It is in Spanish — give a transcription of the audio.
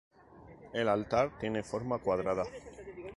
El altar tiene forma cuadrada.